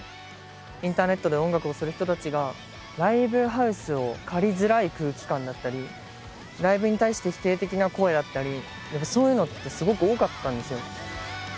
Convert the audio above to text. インターネットで音楽をする人たちがライブハウスを借りづらい空気感だったりライブに対して否定的な声だったりやっぱそういうのってすごく多かったんですよ。